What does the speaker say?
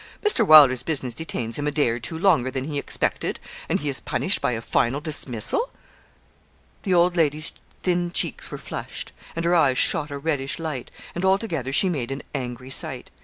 Mr. Wylder's business detains him a day or two longer than he expected, and he is punished by a final dismissal!' The old lady's thin cheeks were flushed, and her eyes shot a reddish light, and altogether she made an angry sight.